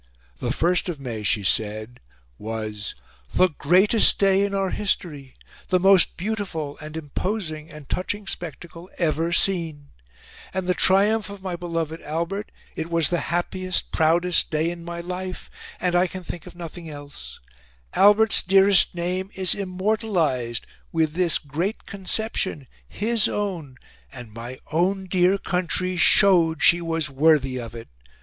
The first of May, she said, was "the GREATEST day in our history, the most BEAUTIFUL and IMPOSING and TOUCHING spectacle ever seen, and the triumph of my beloved Albert... It was the HAPPIEST, PROUDEST day in my life, and I can think of nothing else. Albert's dearest name is immortalised with this GREAT conception, HIS own, and my OWN dear country SHOWED she was WORTHY of it.